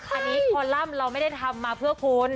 อันนี้คอลัมป์เราไม่ได้ทำมาเพื่อคุณ